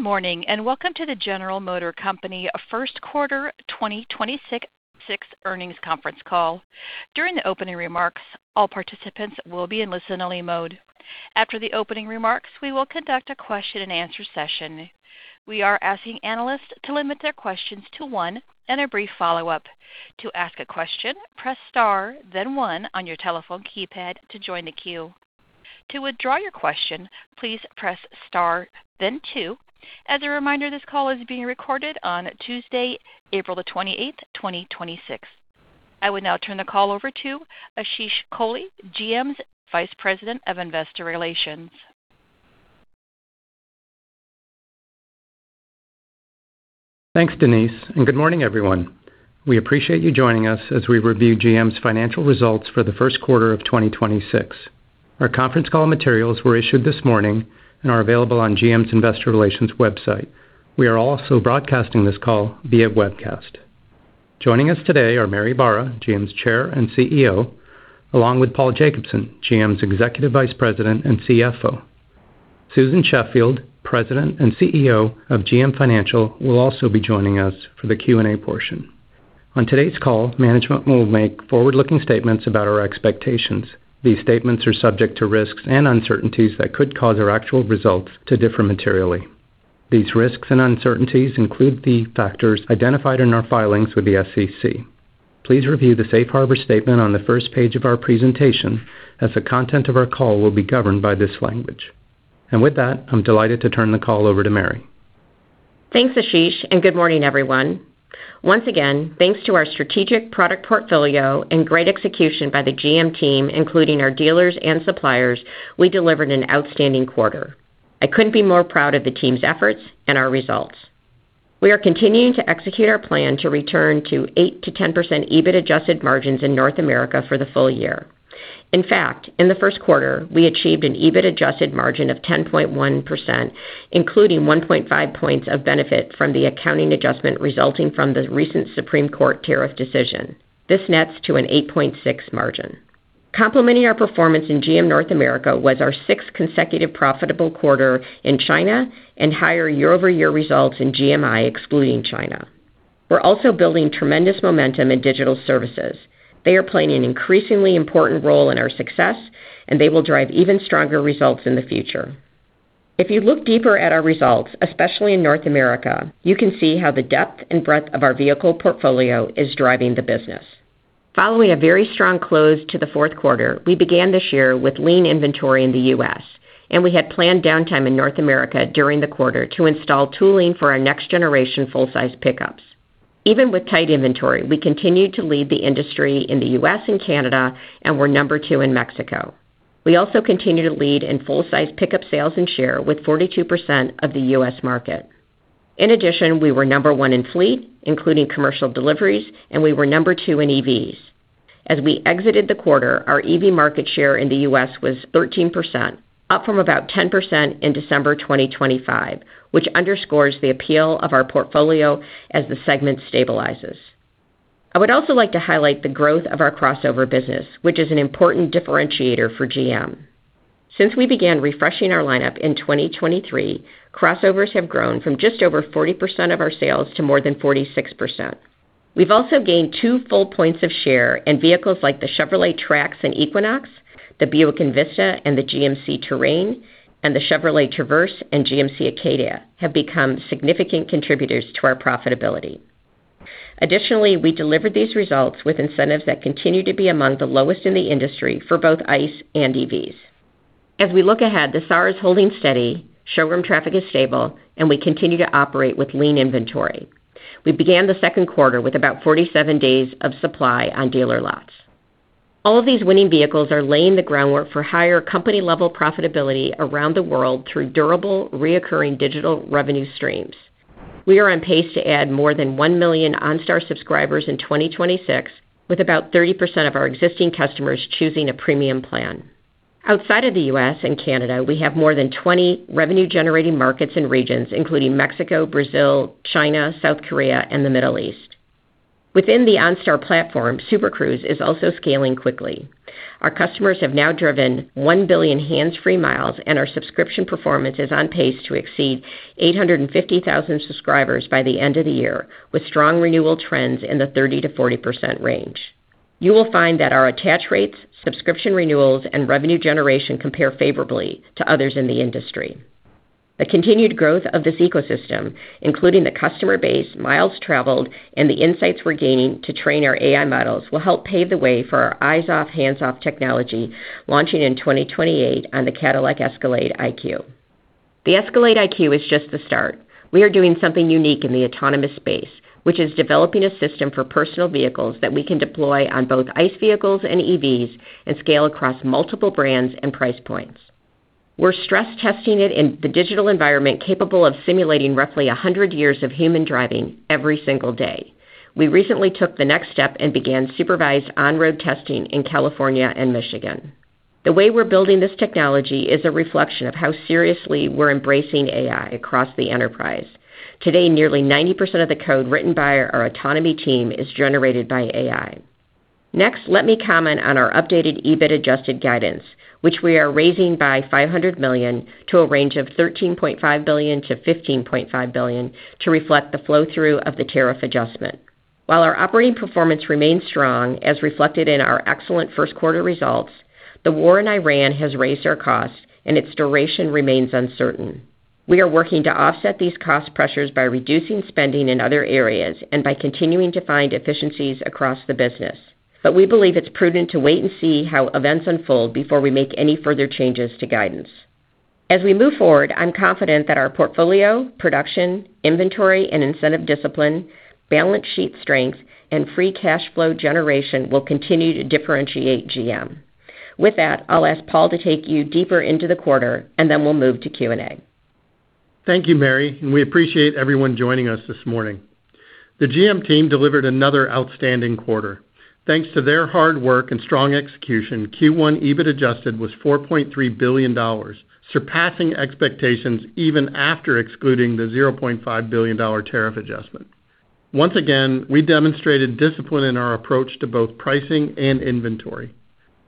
Morning. Welcome to the General Motors Company first quarter 2026 earnings conference call. During the opening remarks, all participants will be in listen-only mode. After the opening remarks, we will conduct a question-and-answer session. We are asking analysts to limit their questions to one and a brief follow-up. As a reminder, this call is being recorded on Tuesday, April 28, 2026. I would now turn the call over to Ashish Kohli, GM's Vice President of Investor Relations. Thanks, Denise. Good morning, everyone. We appreciate you joining us as we review GM's financial results for the first quarter of 2026. Our conference call materials were issued this morning and are available on GM's Investor Relations website. We are also broadcasting this call via webcast. Joining us today are Mary Barra, GM's Chair and CEO, along with Paul Jacobson, GM's Executive Vice President and CFO. Susan Sheffield, President and CEO of GM Financial, will also be joining us for the Q&A portion. On today's call, management will make forward-looking statements about our expectations. These statements are subject to risks and uncertainties that could cause our actual results to differ materially. These risks and uncertainties include the factors identified in our filings with the SEC. Please review the safe harbor statement on the first page of our presentation, as the content of our call will be governed by this language. With that, I'm delighted to turn the call over to Mary. Thanks, Ashish, and good morning, everyone. Once again, thanks to our strategic product portfolio and great execution by the GM team, including our dealers and suppliers, we delivered an outstanding quarter. I couldn't be more proud of the team's efforts and our results. We are continuing to execute our plan to return to 8%-10% EBIT adjusted margins in North America for the full-year. In fact, in the first quarter, we achieved an EBIT adjusted margin of 10.1%, including 1.5 points of benefit from the accounting adjustment resulting from the recent Supreme Court tariff decision. This nets to an 8.6% margin. Complementing our performance in GM North America was our sixth consecutive profitable quarter in China and higher year-over-year results in GMI excluding China. We're also building tremendous momentum in digital services. They are playing an increasingly important role in our success, and they will drive even stronger results in the future. If you look deeper at our results, especially in North America, you can see how the depth and breadth of our vehicle portfolio is driving the business. Following a very strong close to the fourth quarter, we began this year with lean inventory in the U.S., and we had planned downtime in North America during the quarter to install tooling for our next generation full-size pickups. Even with tight inventory, we continued to lead the industry in the U.S. and Canada and were number two in Mexico. We also continue to lead in full-size pickup, sales, and share with 42% of the U.S. market. In addition, we were number one in fleet, including commercial deliveries, and we were number two in EVs. As we exited the quarter, our EV market share in the U.S. was 13%, up from about 10% in December 2025, which underscores the appeal of our portfolio as the segment stabilizes. I would also like to highlight the growth of our crossover business, which is an important differentiator for GM. Since we began refreshing our lineup in 2023, crossovers have grown from just over 40% of our sales to more than 46%. We've also gained two full points of share in vehicles like the Chevrolet Trax and Equinox, the Buick Envista and the GMC Terrain, and the Chevrolet Traverse and GMC Acadia have become significant contributors to our profitability. Additionally, we delivered these results with incentives that continue to be among the lowest in the industry for both ICE and EVs. As we look ahead, the SAR is holding steady, showroom traffic is stable, and we continue to operate with lean inventory. We began the second quarter with about 47 days of supply on dealer lots. All of these winning vehicles are laying the groundwork for higher company-level profitability around the world through durable, reoccurring digital revenue streams. We are on pace to add more than 1 million OnStar subscribers in 2026, with about 30% of our existing customers choosing a premium plan. Outside of the U.S. and Canada, we have more than 20 revenue-generating markets and regions, including Mexico, Brazil, China, South Korea, and the Middle East. Within the OnStar platform, Super Cruise is also scaling quickly. Our customers have now driven 1 billion hands-free miles, and our subscription performance is on pace to exceed 850,000 subscribers by the end of the year, with strong renewal trends in the 30%-40% range. You will find that our attach rates, subscription renewals, and revenue generation compare favorably to others in the industry. The continued growth of this ecosystem, including the customer base, miles traveled, and the insights we're gaining to train our AI models, will help pave the way for our eyes-off, hands-off technology launching in 2028 on the Cadillac Escalade IQ. The Escalade IQ is just the start. We are doing something unique in the autonomous space, which is developing a system for personal vehicles that we can deploy on both ICE vehicles and EVs and scale across multiple brands and price points. We're stress-testing it in the digital environment capable of simulating roughly 100 years of human driving every single day. We recently took the next step and began supervised on-road testing in California and Michigan. The way we're building this technology is a reflection of how seriously we're embracing AI across the enterprise. Today, nearly 90% of the code written by our autonomy team is generated by AI. Next, let me comment on our updated EBIT adjusted guidance, which we are raising by $500 million to a range of $13.5 billion-$15.5 billion to reflect the flow-through of the tariff adjustment. While our operating performance remains strong, as reflected in our excellent first quarter results, the war in Iran has raised our costs and its duration remains uncertain. We are working to offset these cost pressures by reducing spending in other areas and by continuing to find efficiencies across the business. We believe it's prudent to wait and see how events unfold before we make any further changes to guidance. As we move forward, I'm confident that our portfolio, production, inventory and incentive discipline, balance sheet strength, and free cash flow generation will continue to differentiate GM. With that, I'll ask Paul to take you deeper into the quarter, and then we'll move to Q&A. Thank you, Mary. We appreciate everyone joining us this morning. The GM team delivered another outstanding quarter. Thanks to their hard work and strong execution, Q1 EBIT adjusted was $4.3 billion, surpassing expectations even after excluding the $0.5 billion tariff adjustment. Once again, we demonstrated discipline in our approach to both pricing and inventory.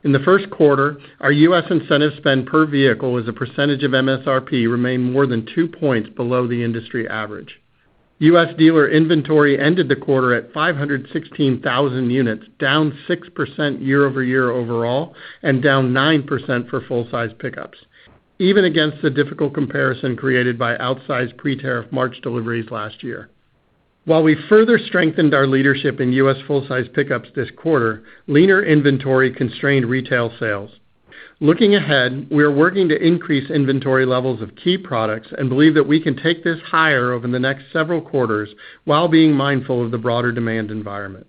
In the first quarter, our U.S. incentive spend per vehicle as a percentage of MSRP remained more than two points below the industry average. U.S. dealer inventory ended the quarter at 516,000 units, down 6% year-over-year overall and down 9% for full-size pickups, even against the difficult comparison created by outsized pre-tariff March deliveries last year. While we further strengthened our leadership in U.S. full-size pickups this quarter, leaner inventory constrained retail sales. Looking ahead, we are working to increase inventory levels of key products and believe that we can take this higher over the next several quarters while being mindful of the broader demand environment.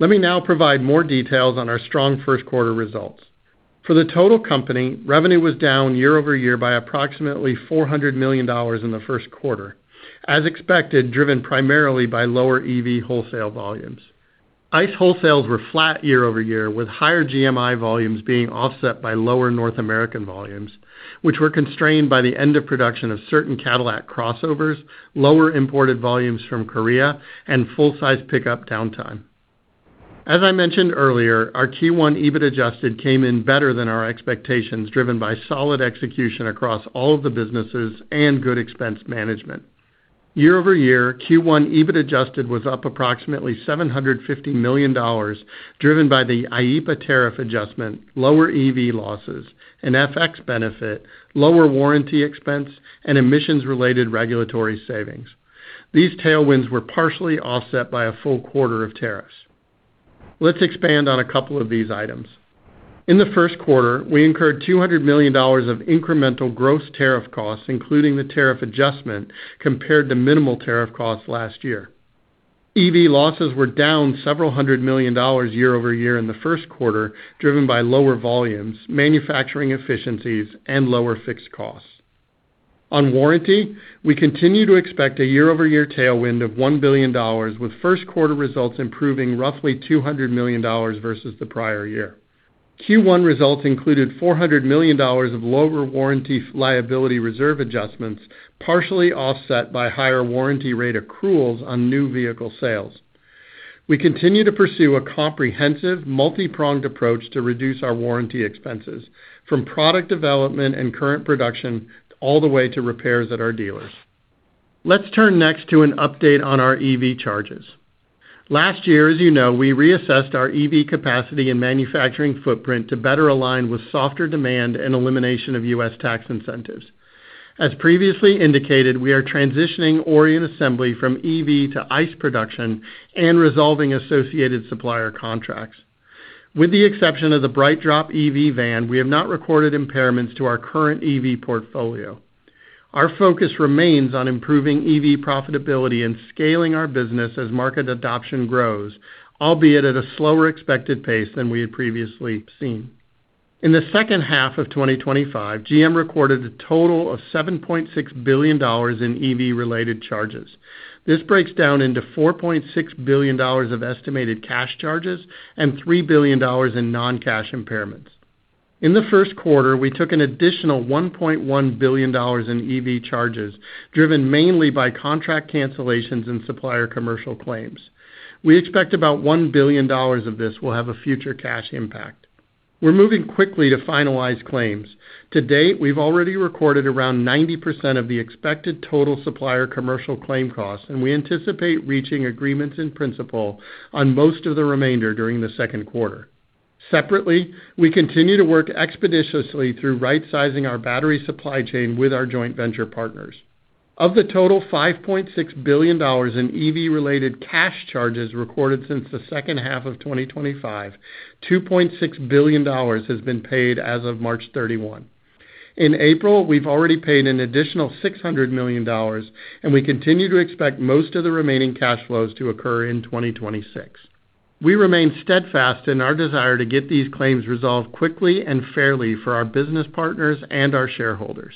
Let me now provide more details on our strong first quarter results. For the total company, revenue was down year-over-year by approximately $400 million in the first quarter, as expected, driven primarily by lower EV wholesale volumes. ICE wholesales were flat year-over-year, with higher GMI volumes being offset by lower GM North America volumes, which were constrained by the end of production of certain Cadillac crossovers, lower imported volumes from Korea, and full-size pickup downtime. As I mentioned earlier, our Q1 EBIT adjusted came in better than our expectations, driven by solid execution across all of the businesses and good expense management. Year-over-year, Q1 EBIT adjusted was up approximately $750 million, driven by the IEPA tariff adjustment, lower EV losses, an FX benefit, lower warranty expense, and emissions-related regulatory savings. These tailwinds were partially offset by a full quarter of tariffs. Let's expand on a couple of these items. In the first quarter, we incurred $200 million of incremental gross tariff costs, including the tariff adjustment, compared to minimal tariff costs last year. EV losses were down several $100 million year-over-year in the first quarter, driven by lower volumes, manufacturing efficiencies, and lower fixed costs. On warranty, we continue to expect a year-over-year tailwind of $1 billion, with first quarter results improving roughly $200 million versus the prior year. Q1 results included $400 million of lower warranty liability reserve adjustments, partially offset by higher warranty rate accruals on new vehicle sales. We continue to pursue a comprehensive, multi-pronged approach to reduce our warranty expenses, from product development and current production all the way to repairs at our dealers. Let's turn next to an update on our EV charges. Last year, as you know, we reassessed our EV capacity and manufacturing footprint to better align with softer demand and elimination of U.S. tax incentives. As previously indicated, we are transitioning Orion assembly from EV to ICE production and resolving associated supplier contracts. With the exception of the BrightDrop EV van, we have not recorded impairments to our current EV portfolio. Our focus remains on improving EV profitability and scaling our business as market adoption grows, albeit at a slower expected pace than we had previously seen. In the second half of 2025, GM recorded a total of $7.6 billion in EV-related charges. This breaks down into $4.6 billion of estimated cash charges and $3 billion in non-cash impairments. In the first quarter, we took an additional $1.1 billion in EV charges, driven mainly by contract cancellations and supplier commercial claims. We expect about $1 billion of this will have a future cash impact. We're moving quickly to finalize claims. To date, we've already recorded around 90% of the expected total supplier commercial claim costs, and we anticipate reaching agreements in principle on most of the remainder during the second quarter. Separately, we continue to work expeditiously through right-sizing our battery supply chain with our joint venture partners. Of the total $5.6 billion in EV-related cash charges recorded since the second half of 2025, $2.6 billion has been paid as of March 31. In April, we've already paid an additional $600 million, and we continue to expect most of the remaining cash flows to occur in 2026. We remain steadfast in our desire to get these claims resolved quickly and fairly for our business partners and our shareholders.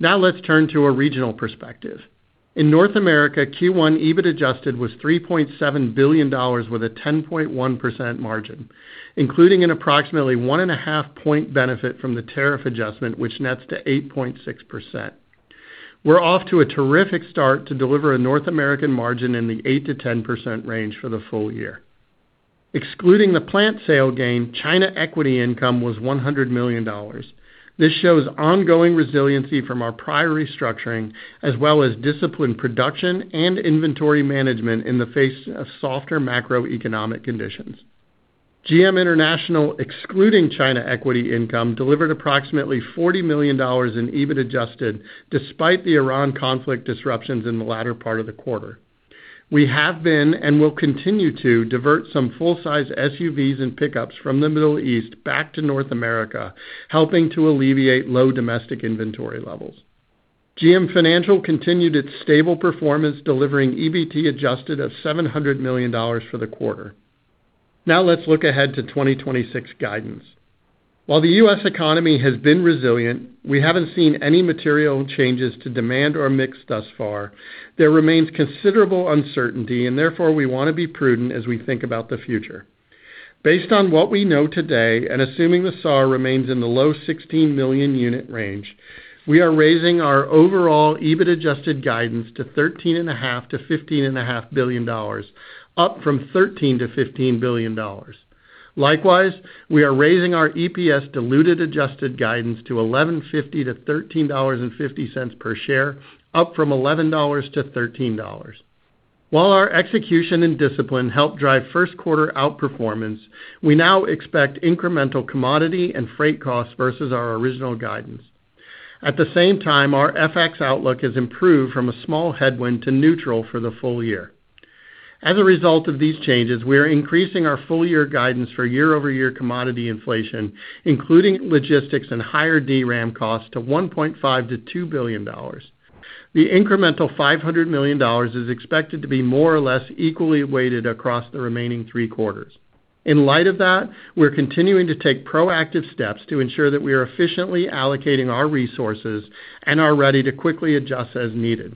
Let's turn to a regional perspective. In North America, Q1 EBIT adjusted was $3.7 billion with a 10.1% margin, including an approximately one and a half point benefit from the tariff adjustment, which nets to 8.6%. We're off to a terrific start to deliver a North American margin in the 8%-10% range for the full-year. Excluding the plant sale gain, China equity income was $100 million. This shows ongoing resiliency from our prior restructuring, as well as disciplined production and inventory management in the face of softer macroeconomic conditions. GM International, excluding China equity income, delivered approximately $40 million in EBIT adjusted despite the Iran conflict disruptions in the latter part of the quarter. We have been, and will continue to, divert some full-size SUVs and pickups from the Middle East back to North America, helping to alleviate low domestic inventory levels. GM Financial continued its stable performance, delivering EBIT adjusted of $700 million for the quarter. Now let's look ahead to 2026 guidance. While the U.S. economy has been resilient, we haven't seen any material changes to demand or mix thus far. There remains considerable uncertainty, and therefore we want to be prudent as we think about the future. Based on what we know today, and assuming the SAAR remains in the low 16 million unit range, we are raising our overall EBIT-adjusted guidance to $13.5 billion-$15.5 billion, up from $13 billion-$15 billion. Likewise, we are raising our EPS diluted-adjusted guidance to $11.50-$13.50 per share, up from $11-$13. While our execution and discipline helped drive first quarter outperformance, we now expect incremental commodity and freight costs versus our original guidance. At the same time, our FX outlook has improved from a small headwind to neutral for the full-year. As a result of these changes, we are increasing our full-year guidance for year-over-year commodity inflation, including logistics and higher DRAM costs, to $1.5 billion-$2 billion. The incremental $500 million is expected to be more or less equally weighted across the remaining three quarters. In light of that, we're continuing to take proactive steps to ensure that we are efficiently allocating our resources and are ready to quickly adjust as needed.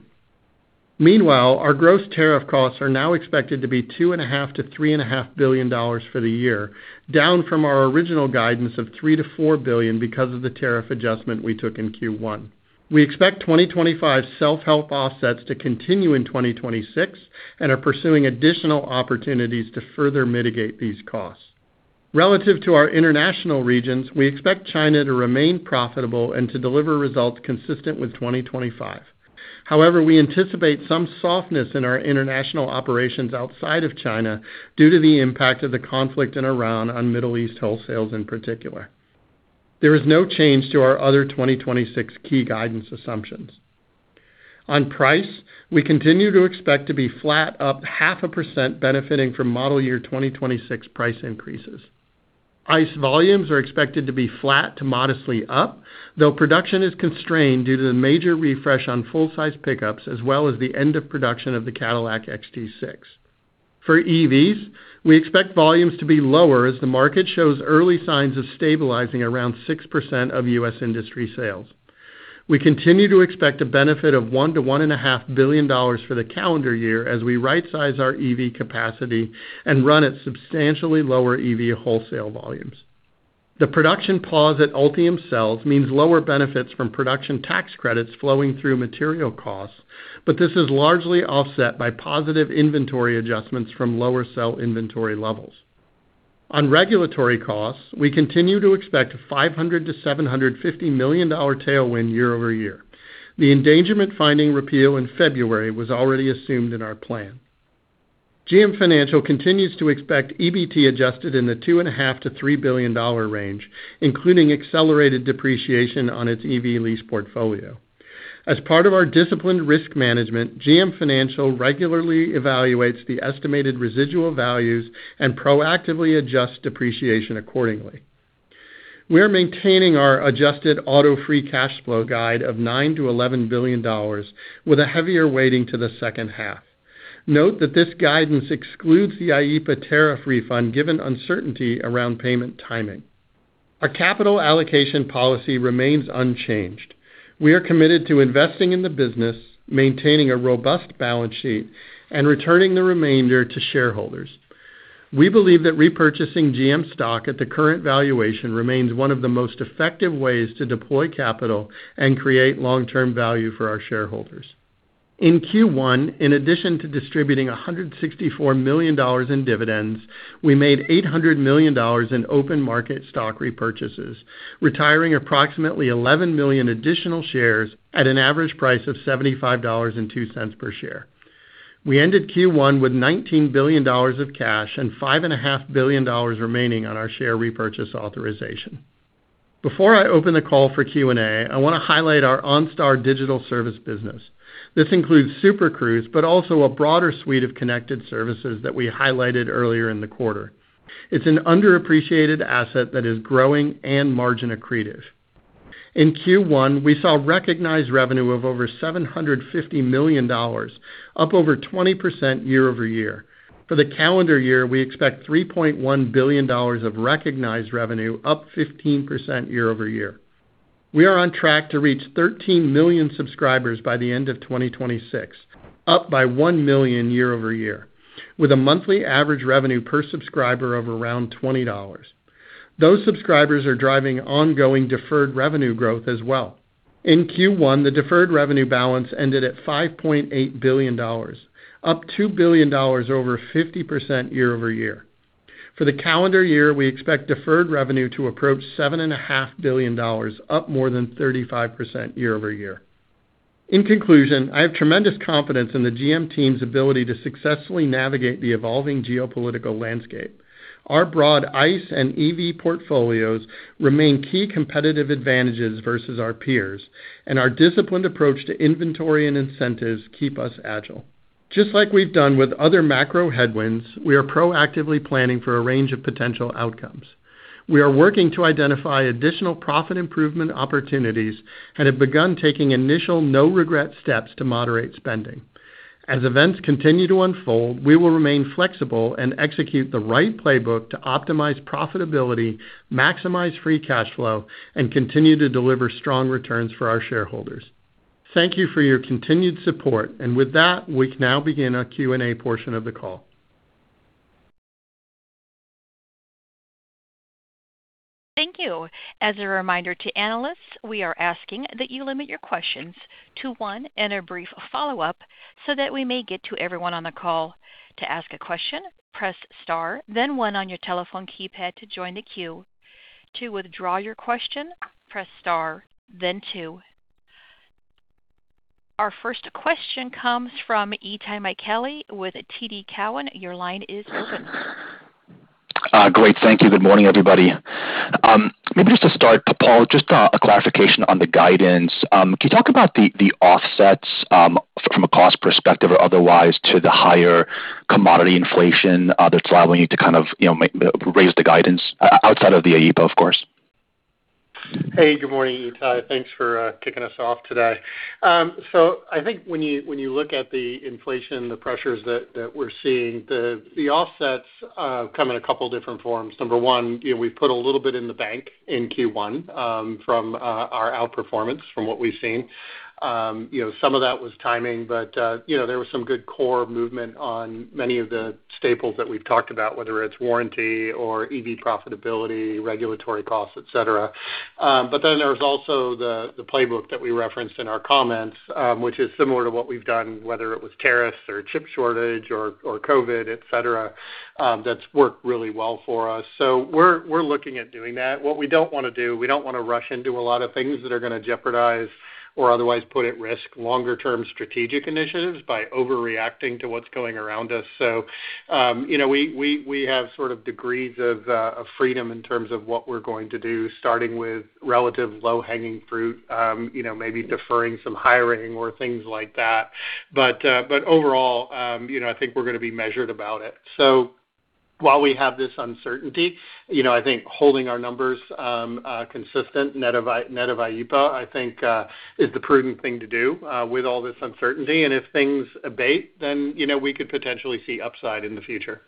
Meanwhile, our gross tariff costs are now expected to be $2.5 billion-$3.5 billion for the year, down from our original guidance of $3 billion-$4 billion because of the tariff adjustment we took in Q1. We expect 2025 self-help offsets to continue in 2026 and are pursuing additional opportunities to further mitigate these costs. Relative to our international regions, we expect China to remain profitable and to deliver results consistent with 2025. We anticipate some softness in our international operations outside of China due to the impact of the conflict in Iran on Middle East wholesales in particular. There is no change to our other 2026 key guidance assumptions. On price, we continue to expect to be flat up 0.5% benefiting from model year 2026 price increases. ICE volumes are expected to be flat to modestly up, though production is constrained due to the major refresh on full-size pickups as well as the end of production of the Cadillac XT6. For EVs, we expect volumes to be lower as the market shows early signs of stabilizing around 6% of U.S. industry sales. We continue to expect a benefit of $1 billion-$1.5 billion for the calendar year as we rightsize our EV capacity and run at substantially lower EV wholesale volumes. The production pause at Ultium Cells means lower benefits from production tax credits flowing through material costs. This is largely offset by positive inventory adjustments from lower cell inventory levels. On regulatory costs, we continue to expect a $500 million-$750 million tailwind year-over-year. The Endangerment Finding repeal in February was already assumed in our plan. GM Financial continues to expect EBT adjusted in the $2.5 billion-$3 billion range, including accelerated depreciation on its EV lease portfolio. As part of our disciplined risk management, GM Financial regularly evaluates the estimated residual values and proactively adjusts depreciation accordingly. We are maintaining our adjusted auto free cash flow guide of $9 billion-$11 billion with a heavier weighting to the second half. Note that this guidance excludes the IEPA tariff refund given uncertainty around payment timing. Our capital allocation policy remains unchanged. We are committed to investing in the business, maintaining a robust balance sheet, and returning the remainder to shareholders. We believe that repurchasing GM stock at the current valuation remains one of the most effective ways to deploy capital and create long-term value for our shareholders. In Q1, in addition to distributing $164 million in dividends, we made $800 million in open market stock repurchases, retiring approximately $11 million additional shares at an average price of $75.02 per share. We ended Q1 with $19 billion of cash and $5.5 billion remaining on our share repurchase authorization. Before I open the call for Q&A, I want to highlight our OnStar digital service business. This includes Super Cruise, also a broader suite of connected services that we highlighted earlier in the quarter. It's an underappreciated asset that is growing and margin accretive. In Q1, we saw recognized revenue of over $750 million, up over 20% year-over-year. For the calendar year, we expect $3.1 billion of recognized revenue, up 15% year-over-year. We are on track to reach 13 million subscribers by the end of 2026, up by 1 million year-over-year, with a monthly average revenue per subscriber of around $20. Those subscribers are driving ongoing deferred revenue growth as well. In Q1, the deferred revenue balance ended at $5.8 billion, up $2 billion or over 50% year-over-year. For the calendar year, we expect deferred revenue to approach $7.5 billion, up more than 35% year-over-year. In conclusion, I have tremendous confidence in the GM team's ability to successfully navigate the evolving geopolitical landscape. Our broad ICE and EV portfolios remain key competitive advantages versus our peers, and our disciplined approach to inventory and incentives keep us agile. Just like we've done with other macro headwinds, we are proactively planning for a range of potential outcomes. We are working to identify additional profit improvement opportunities and have begun taking initial no-regret steps to moderate spending. As events continue to unfold, we will remain flexible and execute the right playbook to optimize profitability, maximize free cash flow, and continue to deliver strong returns for our shareholders. Thank you for your continued support. With that, we can now begin our Q&A portion of the call. Thank you. As a reminder to analysts, we are asking that you limit your questions to one and a brief follow-up so that we may get to everyone on the call. To ask a question, press star then one on your telephone keypad to join the queue. To withdraw your question, press star then two. Our first question comes from Itay Michaeli with TD Cowen. Your line is open. Great. Thank you. Good morning, everybody. Maybe just to start, Paul, just a clarification on the guidance. Can you talk about the offsets from a cost perspective or otherwise to the higher commodity inflation that's allowing you to kind of, you know, raise the guidance outside of the IEPA, of course? Hey, good morning, Itay. Thanks for kicking us off today. I think when you, when you look at the inflation, the pressures that we're seeing, the offsets come in a couple different forms. Number one, you know, we've put a little bit in the bank in Q1 from our outperformance from what we've seen. You know, some of that was timing, you know, there was some good core movement on many of the staples that we've talked about, whether it's warranty or EV profitability, regulatory costs, et cetera. There was also the playbook that we referenced in our comments, which is similar to what we've done, whether it was tariffs or chip shortage or COVID, et cetera, that's worked really well for us. We're looking at doing that. What we don't wanna do, we don't wanna rush into a lot of things that are gonna jeopardize or otherwise put at risk longer term strategic initiatives by overreacting to what's going around us. You know, we have sort of degrees of freedom in terms of what we're going to do, starting with relative low-hanging fruit, you know, maybe deferring some hiring or things like that. Overall, you know, I think we're gonna be measured about it. While we have this uncertainty, you know, I think holding our numbers consistent net of IEPA, I think, is the prudent thing to do with all this uncertainty. If things abate, you know, we could potentially see upside in the future.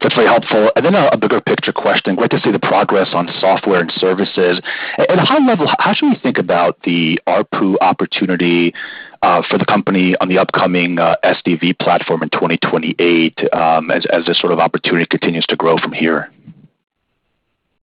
That's very helpful. A bigger picture question. Great to see the progress on software and services. At a high level, how should we think about the ARPU opportunity for the company on the upcoming SDV platform in 2028, as this sort of opportunity continues to grow from here?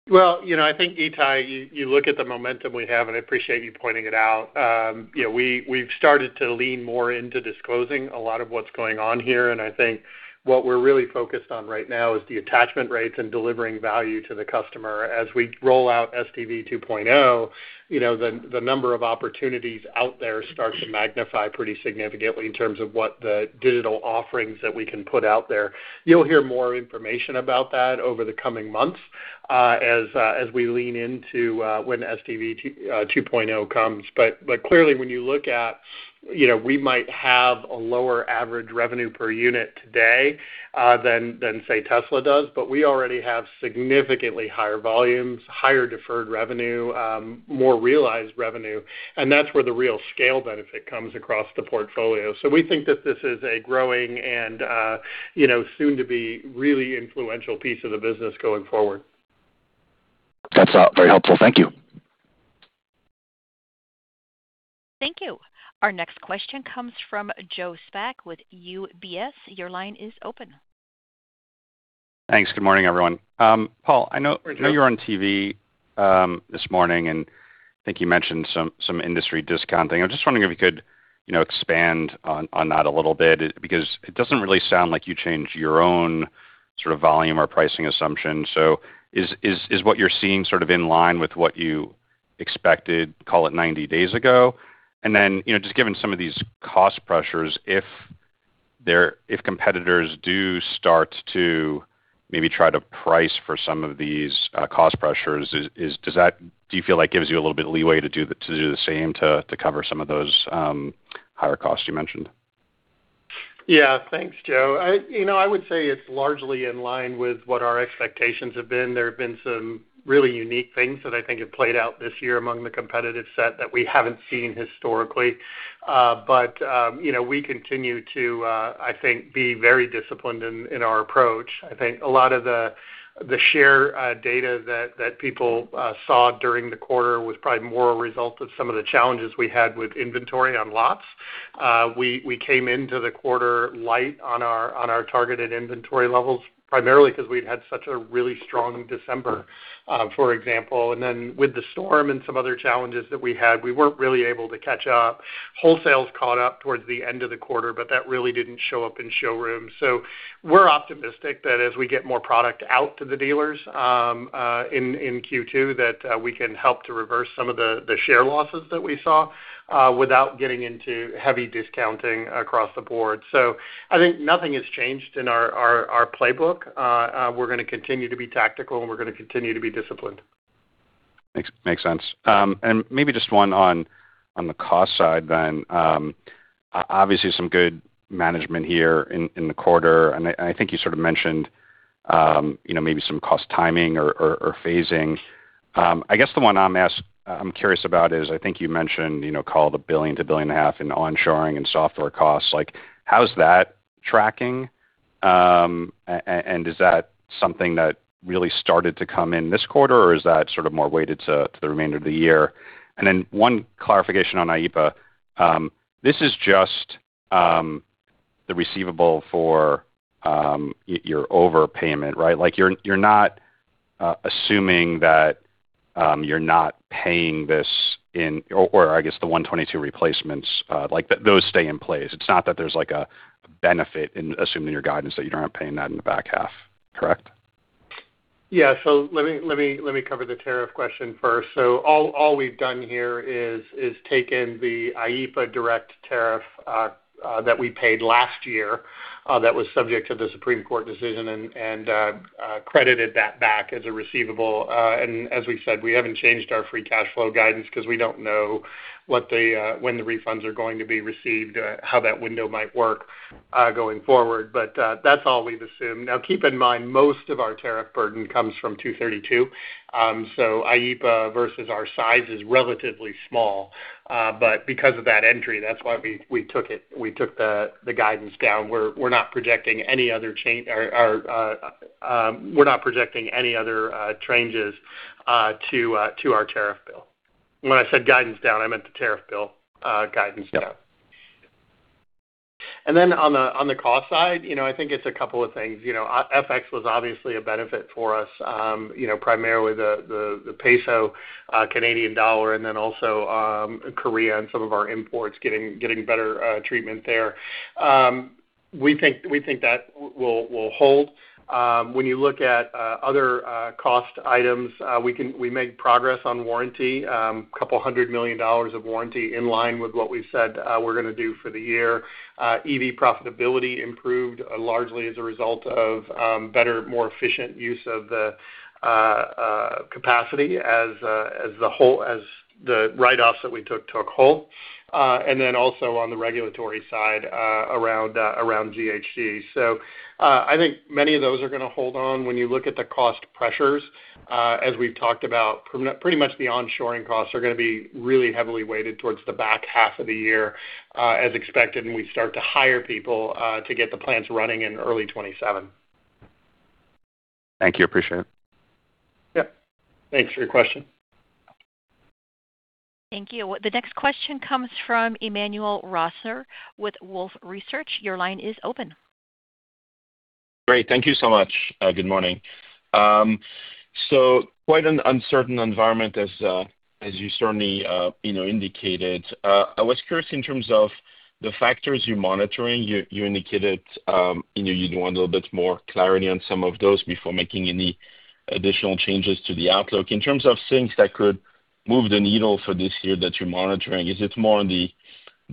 You know, I think, Itay, you look at the momentum we have, and I appreciate you pointing it out. You know, we've started to lean more into disclosing a lot of what's going on here, and I think what we're really focused on right now is the attachment rates and delivering value to the customer. As we roll out SDV 2.0, you know, the number of opportunities out there start to magnify pretty significantly in terms of what the digital offerings that we can put out there. You'll hear more information about that over the coming months, as we lean into when SDV 2.0 comes. Clearly when you look at, you know, we might have a lower average revenue per unit today than say Tesla does, but we already have significantly higher volumes, higher deferred revenue, more realized revenue, and that's where the real scale benefit comes across the portfolio. We think that this is a growing and, you know, soon to be really influential piece of the business going forward. That's, very helpful. Thank you. Thank you. Our next question comes from Joe Spak with UBS. Your line is open. Thanks. Good morning, everyone. Paul, Good morning, Joe. I know you're on TV this morning, and I think you mentioned some industry discounting. I'm just wondering if you could, you know, expand on that a little bit because it doesn't really sound like you changed your own sort of volume or pricing assumption. Is what you're seeing sort of in line with what you expected, call it 90 days ago? You know, just given some of these cost pressures, if competitors do start to maybe try to price for some of these cost pressures, do you feel like gives you a little bit of leeway to do the same to cover some of those higher costs you mentioned? Yeah. Thanks, Joe. You know, I would say it's largely in line with what our expectations have been. There have been some really unique things that I think have played out this year among the competitive set that we haven't seen historically. You know, we continue to, I think, be very disciplined in our approach. I think a lot of the share data that people saw during the quarter was probably more a result of some of the challenges we had with inventory on lots. We came into the quarter light on our targeted inventory levels, primarily because we'd had such a really strong December, for example. With the storm and some other challenges that we had, we weren't really able to catch up. Wholesale's caught up towards the end of the quarter, but that really didn't show up in showrooms. We're optimistic that as we get more product out to the dealers in Q2, that we can help to reverse some of the share losses that we saw without getting into heavy discounting across the board. I think nothing has changed in our playbook. We're gonna continue to be tactical, and we're gonna continue to be disciplined. Makes sense. Maybe just one on the cost side then. Obviously some good management here in the quarter. I think you sort of mentioned, you know, maybe some cost timing or phasing. I guess the one I'm curious about is, I think you mentioned, you know, called $1 billion-$1.5 billion in onshoring and software costs. Like, how's that tracking? Is that something that really started to come in this quarter, or is that sort of more weighted to the remainder of the year? Then one clarification on IEPA. This is just the receivable for your overpayment, right? Like, you're not assuming that you're not paying this. I guess the Section 122 replacements, like, those stay in place. It's not that there's, like, a benefit in assuming your guidance that you're not paying that in the back half, correct? Let me cover the tariff question first. All we've done here is taken the IEPA direct tariff that we paid last year that was subject to the Supreme Court decision and credited that back as a receivable. As we said, we haven't changed our free cash flow guidance 'cause we don't know what when the refunds are going to be received, how that window might work going forward. That's all we've assumed. Keep in mind, most of our tariff burden comes from Section 232. IEPA versus our size is relatively small. Because of that entry, that's why we took it, we took the guidance down. We're not projecting any other changes to our tariff bill. When I said guidance down, I meant the tariff bill guidance down. On the, on the cost side, you know, I think it's a couple of things. FX was obviously a benefit for us, you know, primarily the peso, Canadian dollar, and then also Korea and some of our imports getting better treatment there. We think that will hold. When you look at other cost items, we made progress on warranty. $200 million of warranty in line with what we said, we're gonna do for the year. EV profitability improved largely as a result of better, more efficient use of the capacity as the write-offs that we took hold. Also on the regulatory side, around GHGs. I think many of those are gonna hold on. When you look at the cost pressures, as we've talked about, pretty much the onshoring costs are gonna be really heavily weighted towards the back half of the year, as expected, and we start to hire people to get the plants running in early 2027. Thank you. Appreciate it. Yep. Thanks for your question. Thank you. The next question comes from Emmanuel Rosner with Wolfe Research. Great. Thank you so much. Good morning. Quite an uncertain environment as as you certainly, you know, indicated. I was curious in terms of the factors you're monitoring. You, you indicated, you know, you'd want a little bit more clarity on some of those before making any additional changes to the outlook. In terms of things that could move the needle for this year that you're monitoring, is it more on the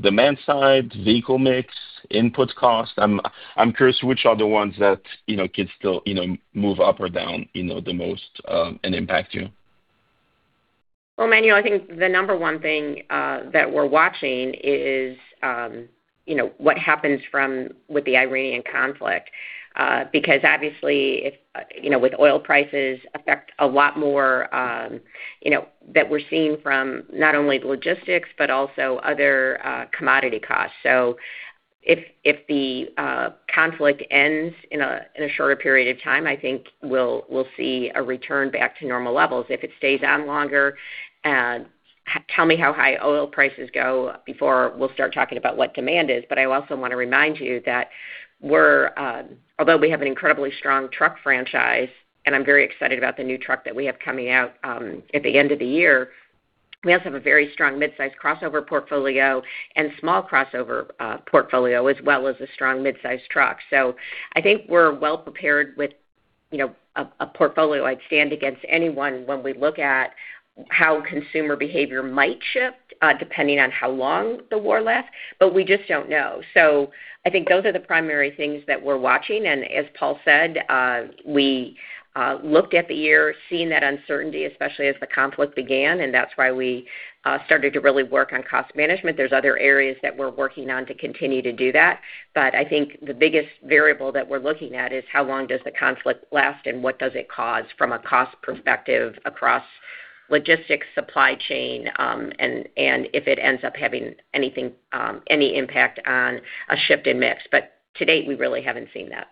demand side, vehicle mix, input cost? I'm curious which are the ones that, you know, could still, you know, move up or down, you know, the most and impact you. Well, Emmanuel Rosner, I think the number one thing that we're watching is, you know, what happens with the Iranian conflict. Obviously if, you know, with oil prices affect a lot more, you know, that we're seeing from not only the logistics, but also other commodity costs. If the conflict ends in a shorter period of time, I think we'll see a return back to normal levels. If it stays on longer, tell me how high oil prices go before we'll start talking about what demand is. I also wanna remind you that we're, although we have an incredibly strong truck franchise, and I'm very excited about the new truck that we have coming out, at the end of the year, we also have a very strong midsize crossover portfolio and small crossover portfolio, as well as a strong midsize truck. I think we're well prepared with, you know, a portfolio I'd stand against anyone when we look at how consumer behavior might shift, depending on how long the war lasts, but we just don't know. I think those are the primary things that we're watching. As Paul said, we looked at the year seeing that uncertainty, especially as the conflict began, and that's why we started to really work on cost management. There's other areas that we're working on to continue to do that. I think the biggest variable that we're looking at is how long does the conflict last and what does it cause from a cost perspective across logistics, supply chain, and if it ends up having anything, any impact on a shift in mix. To date, we really haven't seen that.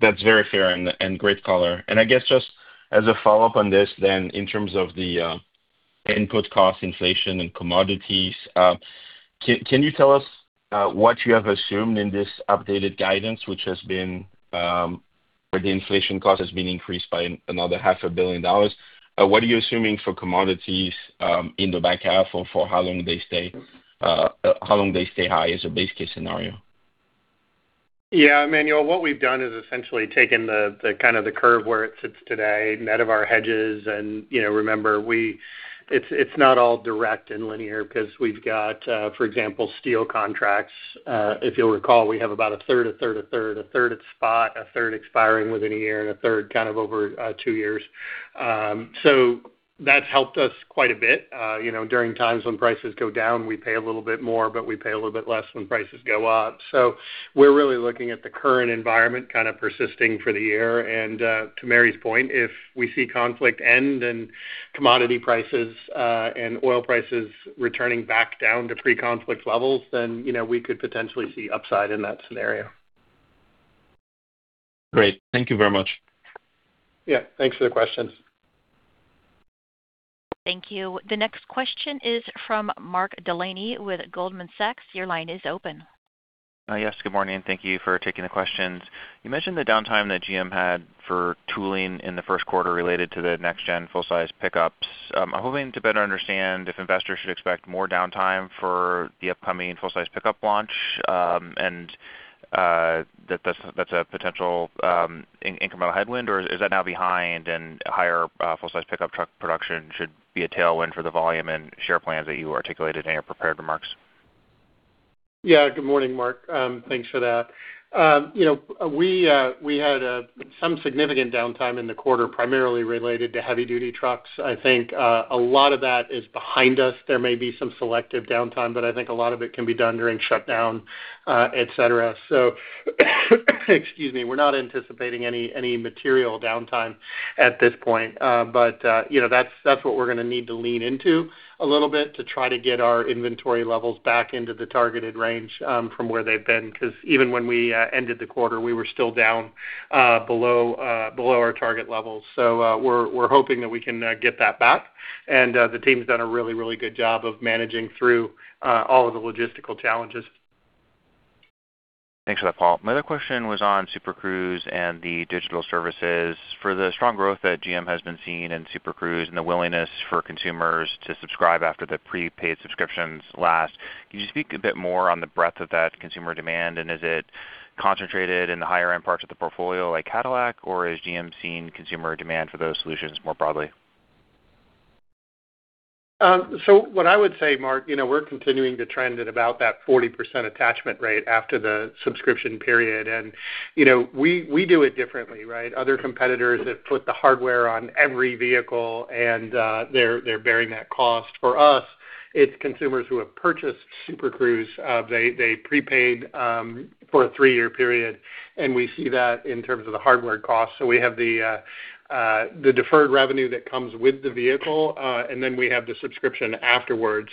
That's very fair and great color. I guess just as a follow-up on this then, in terms of the input cost inflation and commodities, can you tell us what you have assumed in this updated guidance, which has been where the inflation cost has been increased by another half a billion dollars? What are you assuming for commodities, in the back half or for how long they stay, how long they stay high as a base case scenario? Yeah, Emmanuel, what we've done is essentially taken the kind of the curve where it sits today, net of our hedges. You know, remember, it's not all direct and linear because we've got, for example, steel contracts. If you'll recall, we have about 1/3, 1/3, 1/3. One-third at spot, 1/3 expiring within a year, and 1/3 kind of over two years. That's helped us quite a bit. You know, during times when prices go down, we pay a little bit more, but we pay a little bit less when prices go up. We're really looking at the current environment kind of persisting for the year. To Mary's point, if we see conflict end and commodity prices and oil prices returning back down to pre-conflict levels, then, you know, we could potentially see upside in that scenario. Great. Thank you very much. Yeah. Thanks for the question. Thank you. The next question is from Mark Delaney with Goldman Sachs. Your line is open. Yes, good morning. Thank you for taking the questions. You mentioned the downtime that GM had for tooling in the first quarter related to the next-gen full-size pickups. I'm hoping to better understand if investors should expect more downtime for the upcoming full-size pickup launch, and that's a potential incremental headwind, or is that now behind and higher full-size pickup truck production should be a tailwind for the volume and share plans that you articulated in your prepared remarks? Good morning, Mark. thanks for that. you know, we had some significant downtime in the quarter, primarily related to heavy-duty trucks. I think a lot of that is behind us. There may be some selective downtime, but I think a lot of it can be done during shutdown, et cetera. excuse me, we're not anticipating any material downtime at this point. you know, that's what we're gonna need to lean into a little bit to try to get our inventory levels back into the targeted range from where they've been. even when we ended the quarter, we were still down below our target levels. we're hoping that we can get that back. The team's done a really good job of managing through all of the logistical challenges. Thanks for that, Paul. My other question was on Super Cruise and the digital services. For the strong growth that GM has been seeing in Super Cruise and the willingness for consumers to subscribe after the prepaid subscriptions last, could you speak a bit more on the breadth of that consumer demand? Is it concentrated in the higher end parts of the portfolio like Cadillac, or is GM seeing consumer demand for those solutions more broadly? What I would say, Mark, you know, we're continuing to trend at about that 40% attachment rate after the subscription period. You know, we do it differently, right? Other competitors have put the hardware on every vehicle, and they're bearing that cost. For us, it's consumers who have purchased Super Cruise, they prepaid for a three-year period, and we see that in terms of the hardware cost. We have the deferred revenue that comes with the vehicle, and then we have the subscription afterwards.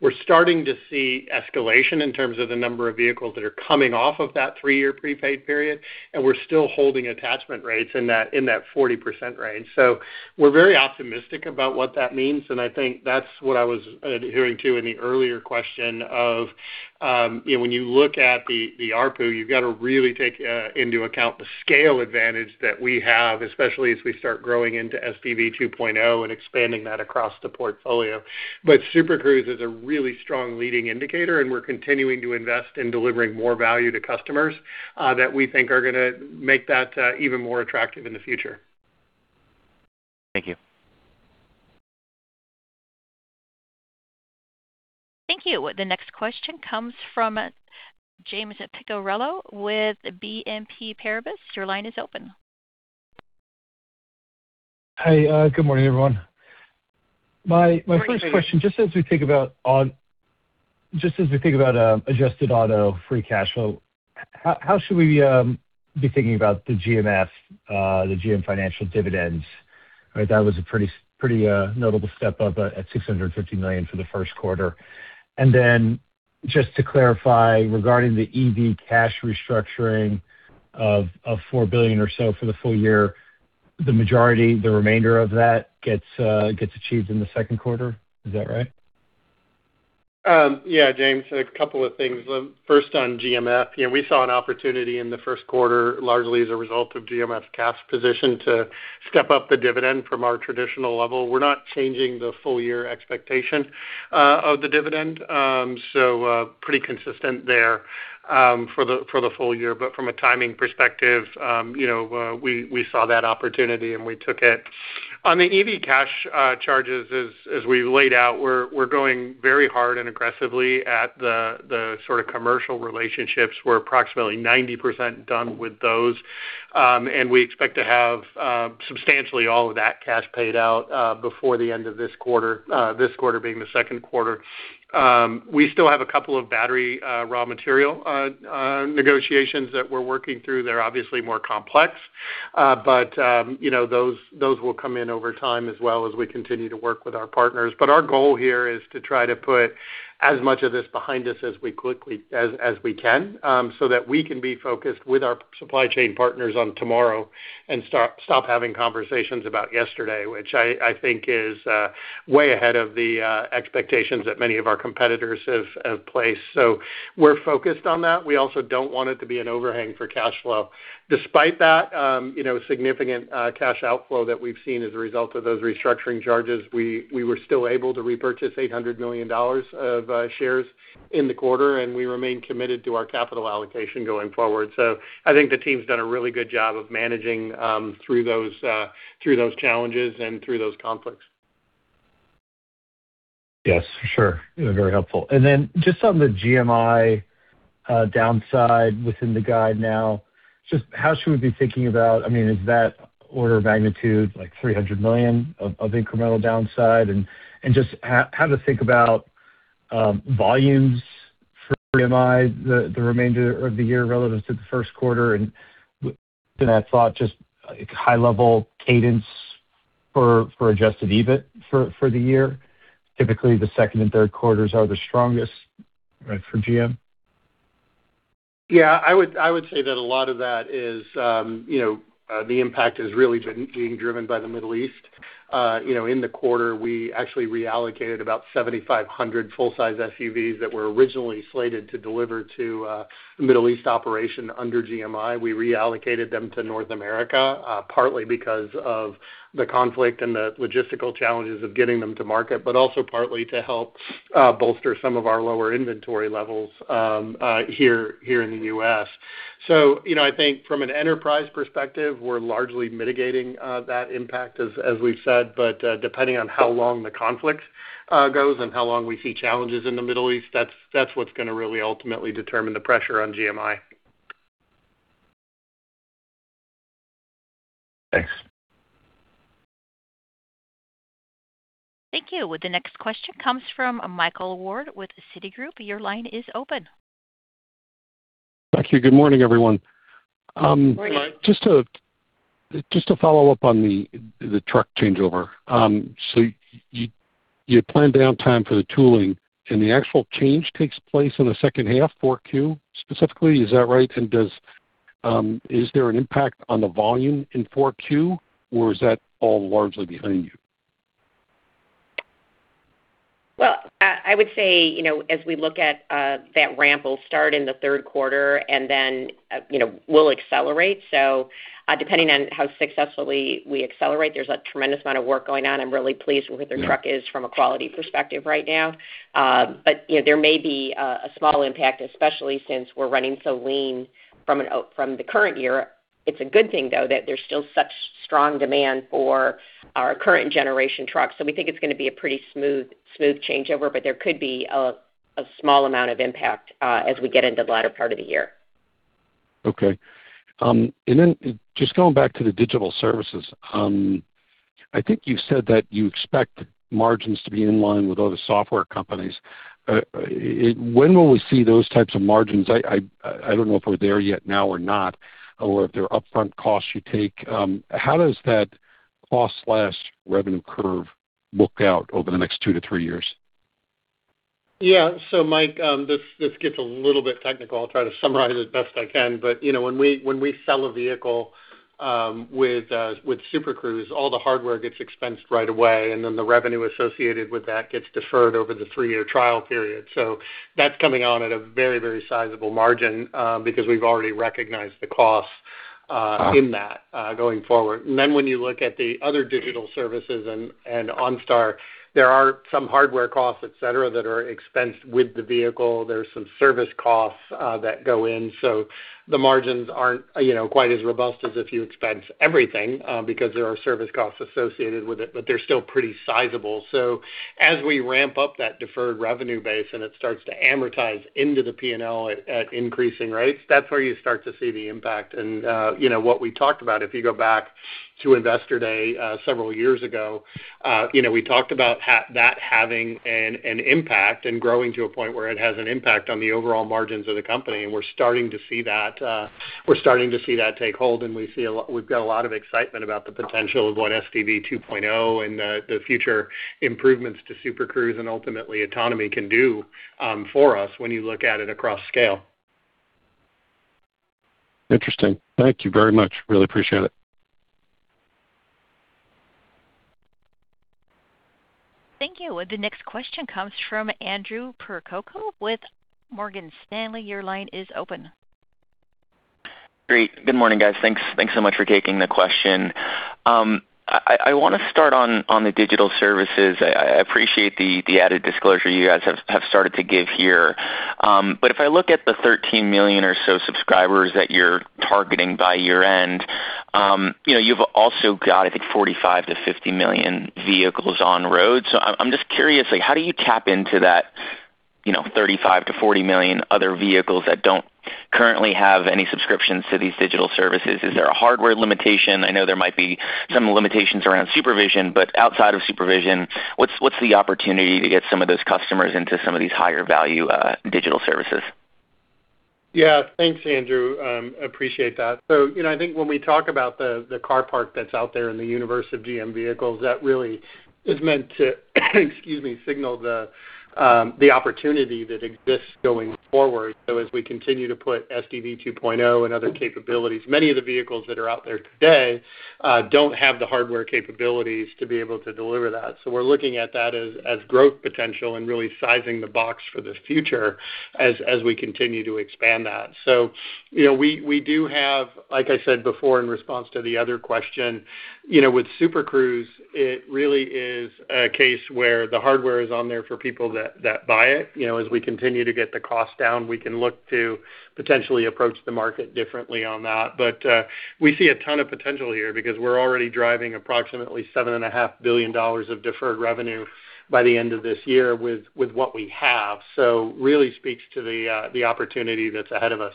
We're starting to see escalation in terms of the number of vehicles that are coming off of that three-year prepaid period, and we're still holding attachment rates in that 40% range. We're very optimistic about what that means, and I think that's what I was adhering to in the earlier question of, you know, when you look at the ARPU, you've got to really take into account the scale advantage that we have, especially as we start growing into SDV 2.0 and expanding that across the portfolio. Super Cruise is a really strong leading indicator, and we're continuing to invest in delivering more value to customers that we think are gonna make that even more attractive in the future. Thank you. Thank you. The next question comes from James Picariello with BNP Paribas. Your line is open. Hey, good morning, everyone. My first question, just as we think about adjusted auto free cash flow, how should we be thinking about the GMF, the GM Financial dividends? Right, that was a pretty notable step up at $650 million for the first quarter. Just to clarify, regarding the EV cash restructuring of $4 billion or so for the full-year, the majority, the remainder of that gets achieved in the second quarter. Is that right? James, a couple of things. On GMF, you know, we saw an opportunity in the first quarter, largely as a result of GMF's cash position, to step up the dividend from our traditional level. We're not changing the full-year expectation of the dividend, pretty consistent there for the full-year. From a timing perspective, we saw that opportunity, and we took it. On the EV cash charges, as we laid out, we're going very hard and aggressively at the sort of commercial relationships. We're approximately 90% done with those. We expect to have substantially all of that cash paid out before the end of this quarter, this quarter being the second quarter. We still have a couple of battery, raw material, negotiations that we're working through. They're obviously more complex. You know, those will come in over time as well as we continue to work with our partners. Our goal here is to try to put as much of this behind us as quickly as we can, so that we can be focused with our supply chain partners on tomorrow and stop having conversations about yesterday, which I think is way ahead of the expectations that many of our competitors have placed. We're focused on that. We also don't want it to be an overhang for cash flow. Despite that, you know, significant cash outflow that we've seen as a result of those restructuring charges, we were still able to repurchase $800 million of shares in the quarter, and we remain committed to our capital allocation going forward. I think the team's done a really good job of managing through those challenges and through those conflicts. Yes, for sure. Very helpful. Just on the GMI downside within the guide now, just how should we be thinking about, I mean, is that order of magnitude $300 million of incremental downside? Just how to think about volumes for GMI the remainder of the year relevant to the first quarter? I thought just high level cadence for adjusted EBIT for the year. Typically, the second and third quarters are the strongest, right, for GM? You know, the impact has really been being driven by the Middle East. You know, in the quarter, we actually reallocated about 7,500 full-size SUVs that were originally slated to deliver to the Middle East operation under GMI. We reallocated them to North America, partly because of the conflict and the logistical challenges of getting them to market, but also partly to help bolster some of our lower inventory levels here in the U.S. You know, I think from an enterprise perspective, we're largely mitigating that impact, as we've said. Depending on how long the conflict goes and how long we see challenges in the Middle East, that's what's gonna really ultimately determine the pressure on GMI. Thanks. Thank you. The next question comes from Michael Ward with Citigroup. Your line is open. Thank you. Good morning, everyone. Morning. Just to follow up on the truck changeover. You plan downtime for the tooling, and the actual change takes place in the second half, 4Q specifically. Is that right? Does there an impact on the volume in 4Q, or is that all largely behind you? Well, I would say, you know, as we look at, that ramp will start in the third quarter and then, you know, will accelerate. Depending on how successfully we accelerate, there's a tremendous amount of work going on. I'm really pleased with where the truck is from a quality perspective right now. But, you know, there may be a small impact, especially since we're running so lean from the current year. It's a good thing, though, that there's still such strong demand for our current generation trucks. We think it's gonna be a pretty smooth changeover, but there could be a small amount of impact, as we get into the latter part of the year. Okay. Just going back to the digital services. I think you said that you expect margins to be in line with other software companies. When will we see those types of margins? I don't know if we're there yet now or not, or if there are upfront costs you take. How does that cost/revenue curve look out over the next two-three years? Mike, this gets a little bit technical. I'll try to summarize it as best I can. You know, when we sell a vehicle with Super Cruise, all the hardware gets expensed right away, and then the revenue associated with that gets deferred over the three-year trial period. That's coming on at a very, very sizable margin because we've already recognized the cost in that going forward. When you look at the other digital services and OnStar, there are some hardware costs, et cetera, that are expensed with the vehicle. There's some service costs that go in. The margins aren't, you know, quite as robust as if you expense everything because there are service costs associated with it, but they're still pretty sizable. As we ramp-up that deferred revenue base and it starts to amortize into the P&L at increasing rates, that's where you start to see the impact. You know, what we talked about, if you go back to Investor Day several years ago, you know, we talked about that having an impact and growing to a point where it has an impact on the overall margins of the company. We're starting to see that, we're starting to see that take hold, and we've got a lot of excitement about the potential of what SDV 2.0 and the future improvements to Super Cruise and ultimately autonomy can do for us when you look at it across scale. Interesting. Thank you very much. Really appreciate it. Thank you. The next question comes from Andrew Percoco with Morgan Stanley. Great. Good morning, guys. Thanks, thanks so much for taking the question. I wanna start on the digital services. I appreciate the added disclosure you guys have started to give here. If I look at the 13 million or so subscribers that you're targeting by year-end, you know, you've also got, I think, 45 million-50 million vehicles on road. I'm just curious, like, how do you tap into that, you know, 35 million-40 million other vehicles that don't currently have any subscriptions to these digital services? Is there a hardware limitation? I know there might be some limitations around supervision, but outside of supervision, what's the opportunity to get some of those customers into some of these higher value digital services? Yeah. Thanks, Andrew. appreciate that. you know, I think when we talk about the car park that's out there in the universe of GM vehicles, that really is meant to, excuse me, signal the opportunity that exists going forward. As we continue to put SDV 2.0 and other capabilities, many of the vehicles that are out there today, don't have the hardware capabilities to be able to deliver that. We're looking at that as growth potential and really sizing the box for the future as we continue to expand that. you know, we do have, like I said before in response to the other question, you know, with Super Cruise, it really is a case where the hardware is on there for people that buy it. You know, as we continue to get the cost down, we can look to potentially approach the market differently on that. We see a ton of potential here because we're already driving approximately $7.5 billion of deferred revenue by the end of this year with what we have. Really speaks to the opportunity that's ahead of us.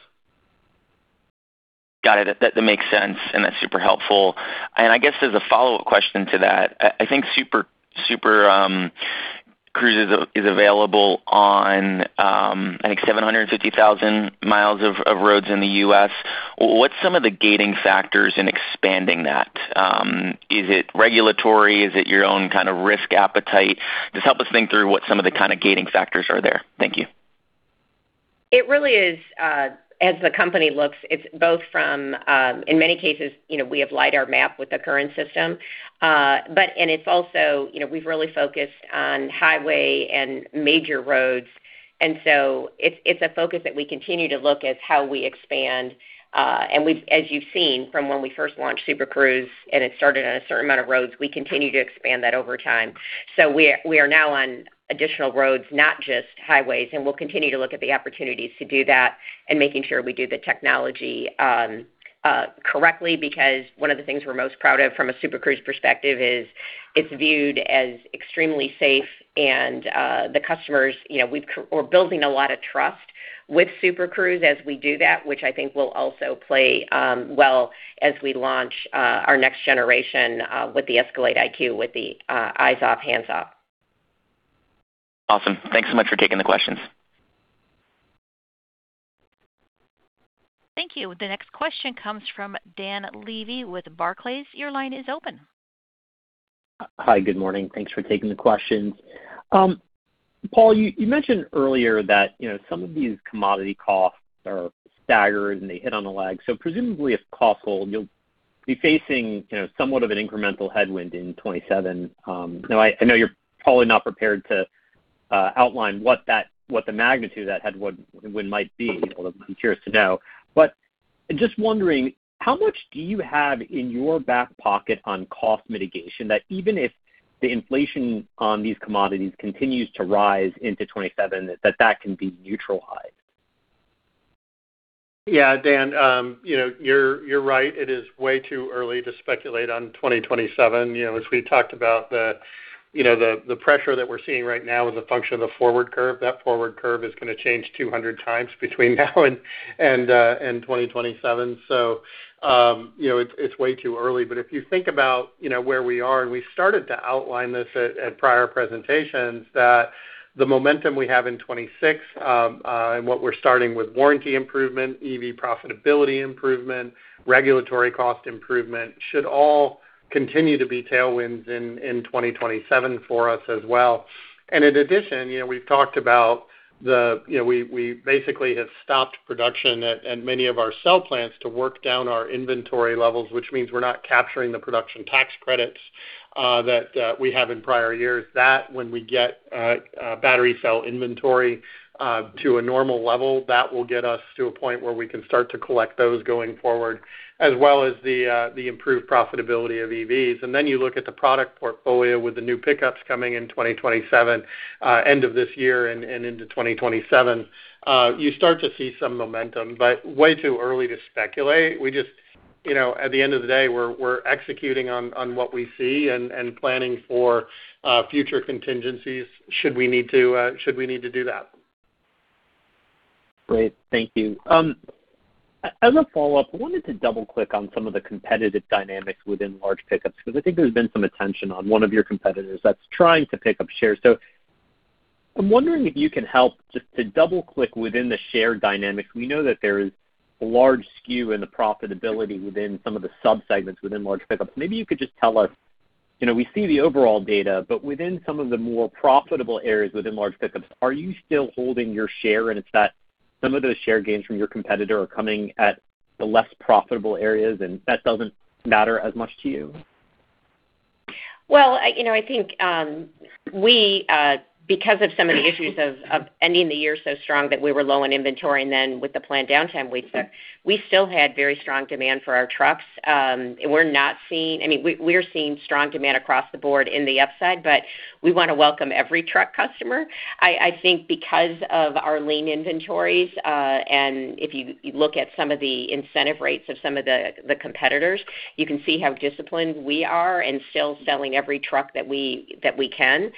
Got it. That, that makes sense, and that's super helpful. I guess as a follow-up question to that, I think Super Cruise is available on, I think 750,000 miles of roads in the U.S. What's some of the gating factors in expanding that? Is it regulatory? Is it your own kind of risk appetite? Just help us think through what some of the kind of gating factors are there. Thank you. It really is, as the company looks, it's both from, in many cases, you know, we have LIDAR map with the current system, and it's also, you know, we've really focused on highway and major roads. It's, it's a focus that we continue to look at how we expand, and we've as you've seen from when we first launched Super Cruise and it started on a certain amount of roads, we continue to expand that over time. We are now on additional roads, not just highways, and we'll continue to look at the opportunities to do that and making sure we do the technology correctly, because one of the things we're most proud of from a Super Cruise perspective is it's viewed as extremely safe. The customers, you know, we're building a lot of trust with Super Cruise as we do that, which I think will also play well as we launch our next generation with the Escalade IQ, with the eyes off, hands off. Awesome. Thanks so much for taking the questions. Thank you. The next question comes from Dan Levy with Barclays. Your line is open. Hi. Good morning. Thanks for taking the questions. Paul, you mentioned earlier that, you know, some of these commodity costs are staggered and they hit on a lag. Presumably, if costs hold, you'll be facing, you know, somewhat of an incremental headwind in 2027. Now I know you're probably not prepared to outline what the magnitude of that headwind might be, although I'd be curious to know. Just wondering, how much do you have in your back pocket on cost mitigation that even if the inflation on these commodities continues to rise into 2027, that that can be neutralized? Dan, you know, you're right. It is way too early to speculate on 2027. You know, as we talked about, you know, the pressure that we're seeing right now is a function of the forward curve. That forward curve is going to change 200 times between now and 2027. You know, it's way too early. If you think about, you know, where we are, and we started to outline this at prior presentations, that the momentum we have in 2026, and what we're starting with warranty improvement, EV profitability improvement, regulatory cost improvement should all continue to be tailwinds in 2027 for us as well. In addition, you know, we've talked about the, you know, we basically have stopped production at many of our cell plants to work down our inventory levels, which means we're not capturing the production tax credits that we have in prior years. When we get battery cell inventory to a normal level, that will get us to a point where we can start to collect those going forward, as well as the improved profitability of EVs. You look at the product portfolio with the new pickups coming in 2027, end of this year and into 2027, you start to see some momentum, but way too early to speculate. We just, you know, at the end of the day, we're executing on what we see and planning for future contingencies should we need to do that. Great. Thank you. As a follow-up, I wanted to double-click on some of the competitive dynamics within large pickups, because I think there's been some attention on one of your competitors that's trying to pick up shares. I'm wondering if you can help just to double-click within the share dynamics. We know that there is a large skew in the profitability within some of the subsegments within large pickups. Maybe you could just tell us, you know, we see the overall data, but within some of the more profitable areas within large pickups, are you still holding your share, and it's that some of those share gains from your competitor are coming at the less profitable areas, and that doesn't matter as much to you? Well, I, you know, I think, we because of some of the issues of ending the year so strong that we were low on inventory and then with the planned downtime we took, we still had very strong demand for our trucks. I mean, we're seeing strong demand across the board in the upside, but we want to welcome every truck customer. I think because of our lean inventories, and if you look at some of the incentive rates of some of the competitors, you can see how disciplined we are and still selling every truck that we can.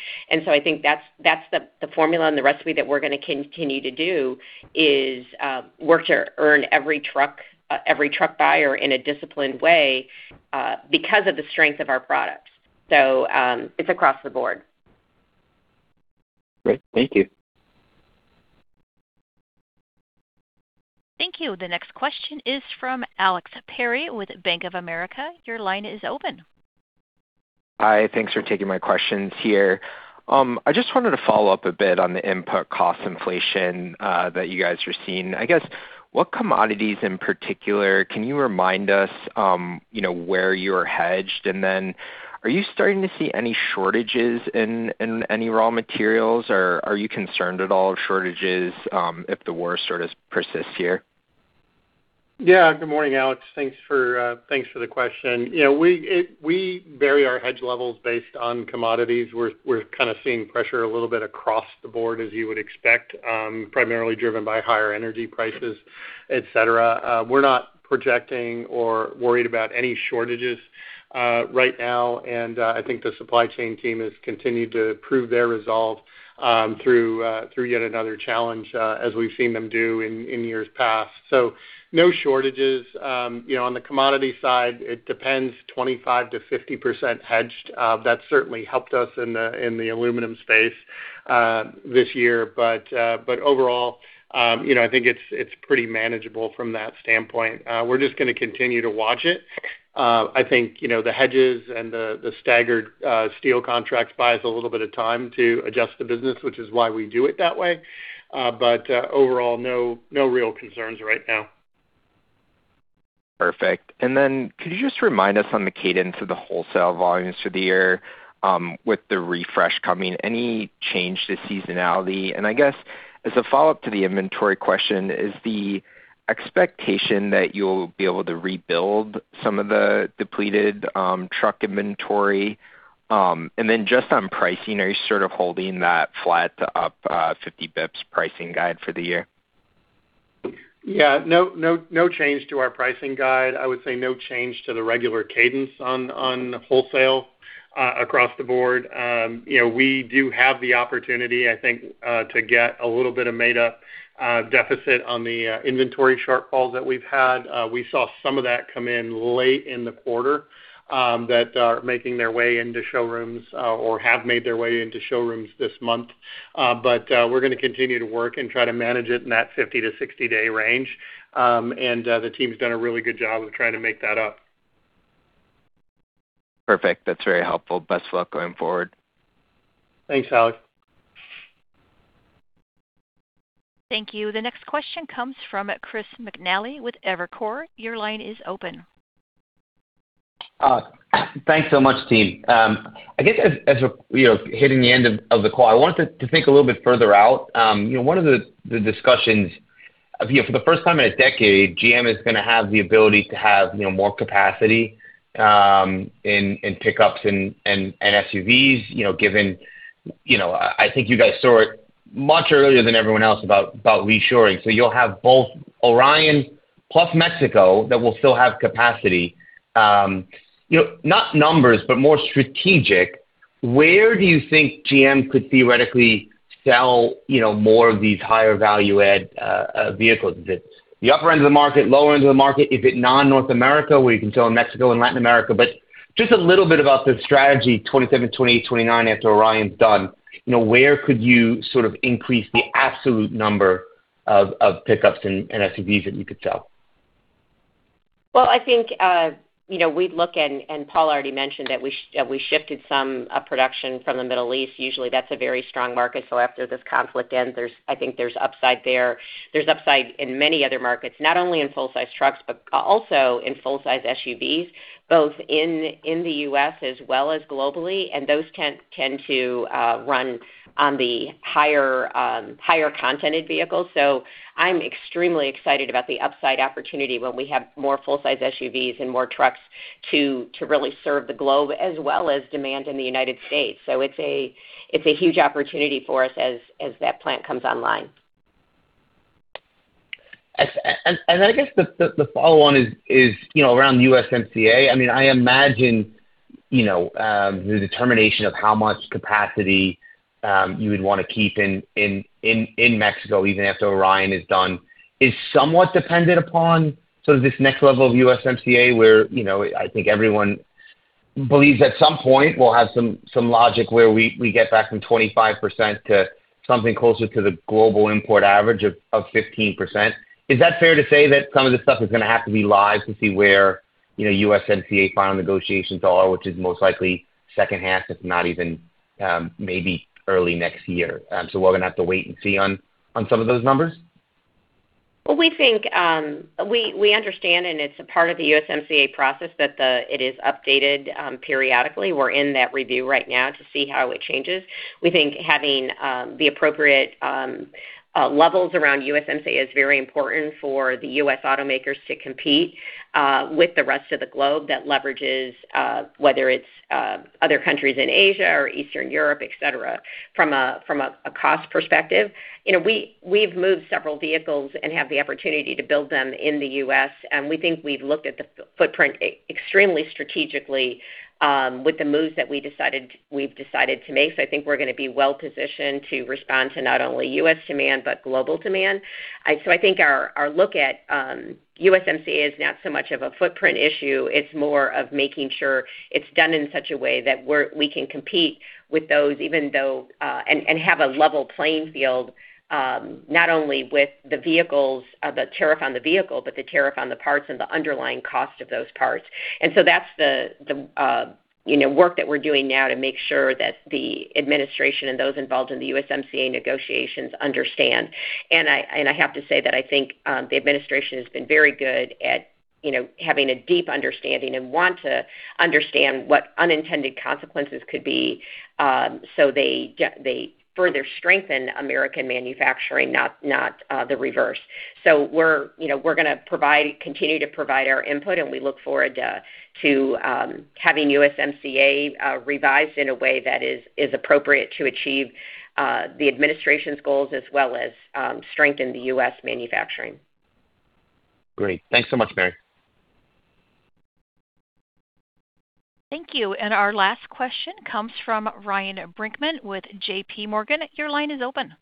I think that's the formula and the recipe that we're going to continue to do is work to earn every truck, every truck buyer in a disciplined way, because of the strength of our products. It's across the board. Great. Thank you. Thank you. The next question is from Alex Perry with Bank of America. Your line is open. Hi. Thanks for taking my questions here. I just wanted to follow up a bit on the input cost inflation that you guys are seeing. I guess, what commodities in particular can you remind us, you know, where you're hedged? Are you starting to see any shortages in any raw materials, or are you concerned at all of shortages, if the war sort of persists here? Good morning, Alex. Thanks for the question. You know, we vary our hedge levels based on commodities. We're kind of seeing pressure a little bit across the board, as you would expect, primarily driven by higher energy prices, et cetera. We're not projecting or worried about any shortages right now. I think the supply chain team has continued to prove their resolve through yet another challenge, as we've seen them do in years past. No shortages. You know, on the commodity side, it depends, 25%-50% hedged. That certainly helped us in the aluminum space this year. Overall, you know, I think it's pretty manageable from that standpoint. We're just gonna continue to watch it. I think, you know, the hedges and the staggered, steel contracts buys a little bit of time to adjust the business, which is why we do it that way. Overall, no real concerns right now. Perfect. Could you just remind us on the cadence of the wholesale volumes for the year, with the refresh coming, any change to seasonality? As a follow-up to the inventory question, is the expectation that you'll be able to rebuild some of the depleted truck inventory? On pricing, are you sort of holding that flat to up 50 basis points pricing guide for the year? Yeah. No change to our pricing guide. I would say no change to the regular cadence on wholesale across the board. You know, we do have the opportunity, I think, to get a little bit of made up deficit on the inventory shortfalls that we've had. We saw some of that come in late in the quarter that are making their way into showrooms or have made their way into showrooms this month. We're gonna continue to work and try to manage it in that 50-60 day range. The team's done a really good job of trying to make that up. Perfect. That's very helpful. Best luck going forward. Thanks, Alex. Thank you. The next question comes from Chris McNally with Evercore. Your line is open. Thanks so much, team. I guess as a, you know, hitting the end of the call, I wanted to think a little bit further out. You know, one of the discussions, you know, for the first time in a decade, GM is gonna have the ability to have, you know, more capacity in pickups and SUVs, you know, given, you know, I think you guys saw it much earlier than everyone else about reshoring. You'll have both Orion plus Mexico that will still have capacity. You know, not numbers, but more strategic, where do you think GM could theoretically sell, you know, more of these higher value add vehicles? Is it the upper end of the market, lower end of the market? Is it non-North America where you can sell in Mexico and Latin America? Just a little bit about the strategy 2027, 2028, 2029 after Orion's done. You know, where could you sort of increase the absolute number of pickups and SUVs that you could sell? Well, I think, you know, we'd look and Paul already mentioned that we shifted some production from the Middle East. Usually, that's a very strong market. After this conflict ends, I think there's upside there. There's upside in many other markets, not only in full-size trucks, but also in full-size SUVs, both in the U.S. as well as globally. Those tend to run on the higher contented vehicles. I'm extremely excited about the upside opportunity when we have more full-size SUVs and more trucks to really serve the globe as well as demand in the United States. It's a huge opportunity for us as that plant comes online. I guess the follow on is, you know, around USMCA. I mean, I imagine, you know, the determination of how much capacity you would wanna keep in Mexico even after Orion is done is somewhat dependent upon sort of this next level of USMCA where, you know, I think everyone believes at some point we'll have some logic where we get back from 25% to something closer to the global import average of 15%. Is that fair to say that some of the stuff is gonna have to be live to see where, you know, USMCA final negotiations are, which is most likely second half, if not even maybe early next year? We're gonna have to wait and see on some of those numbers? We think we understand, and it's a part of the USMCA process that it is updated periodically. We're in that review right now to see how it changes. We think having the appropriate levels around USMCA is very important for the U.S. automakers to compete with the rest of the globe that leverages whether it's other countries in Asia or Eastern Europe, et cetera, from a cost perspective. You know, we've moved several vehicles and have the opportunity to build them in the U.S., and we think we've looked at the footprint extremely strategically with the moves that we've decided to make. I think we're gonna be well-positioned to respond to not only U.S. demand, but global demand. I think our look at USMCA is not so much of a footprint issue, it's more of making sure it's done in such a way that we can compete with those, even though, and have a level playing field, not only with the vehicles, the tariff on the vehicle, but the tariff on the parts and the underlying cost of those parts. That's the, you know, work that we're doing now to make sure that the administration and those involved in the USMCA negotiations understand. I have to say that I think the administration has been very good at, you know, having a deep understanding and want to understand what unintended consequences could be, so they further strengthen American manufacturing, not the reverse. We're, you know, we're going to provide, continue to provide our input, and we look forward to having USMCA revised in a way that is appropriate to achieve the administration's goals as well as strengthen the U.S. manufacturing. Great. Thanks so much, Mary. Thank you. Our last question comes from Ryan Brinkman with JPMorgan. Your line is open.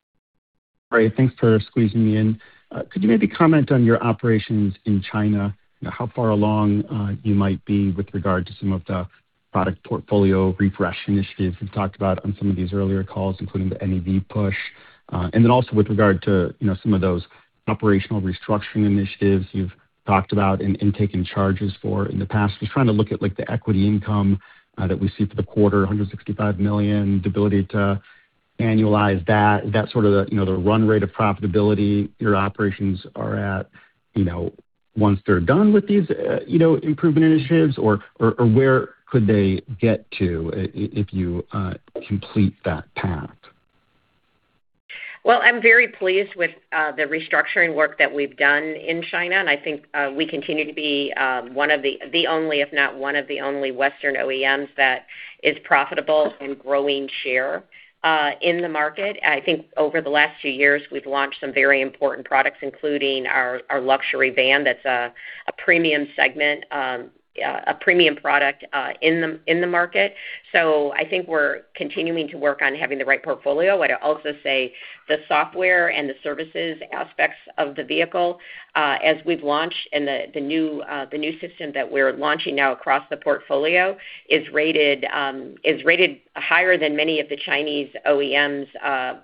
Ryan, thanks for squeezing me in. Could you maybe comment on your operations in China, you know, how far along you might be with regard to some of the product portfolio refresh initiatives you've talked about on some of these earlier calls, including the NEV push? Then also with regard to, you know, some of those operational restructuring initiatives you've talked about and taking charges for in the past. Just trying to look at, like, the equity income that we see for the quarter, $165 million, the ability to annualize that, is that sort of the, you know, the run rate of profitability your operations are at, you know, once they're done with these, you know, improvement initiatives or where could they get to if you complete that path? Well, I'm very pleased with the restructuring work that we've done in China, and I think we continue to be one of the only, if not one of the only Western OEMs that is profitable and growing share in the market. I think over the last few years, we've launched some very important products, including our luxury van that's a premium segment, a premium product in the market. I think we're continuing to work on having the right portfolio. What I'd also say, the software and the services aspects of the vehicle, as we've launched and the new, the new system that we're launching now across the portfolio is rated, is rated higher than many of the Chinese OEMs,